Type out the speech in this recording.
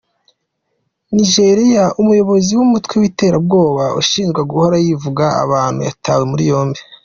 Nijeriya Umuyobozi w’ umutwe witera bwoba ushinjwa guhora yivuga abantu yatawe muri yombi